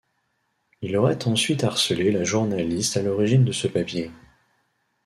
Il aurait ensuite harcelé la journaliste à l’origine de ce papier.